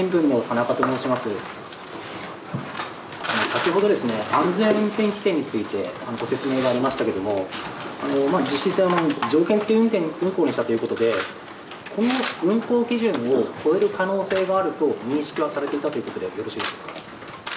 先ほど安全運転規定についてご説明がありましたけれども、実質、条件付き運航にしたということで、この運航基準を超える可能性があると認識はされていたということでよろしいでしょうか。